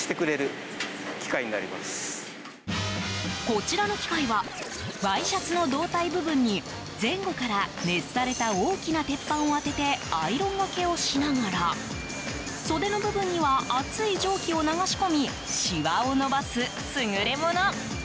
こちらの機械はワイシャツの胴体部分に前後から、熱された大きな鉄板を当ててアイロンがけをしながら袖の部分には熱い蒸気を流し込みしわを伸ばす優れもの。